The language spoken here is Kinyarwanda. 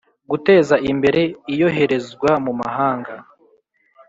guteza imbere Iyoherezwa mu mahanga